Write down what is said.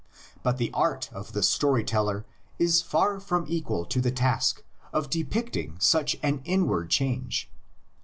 But the art of the story teller is far from equal to the task of depicting such an inward change.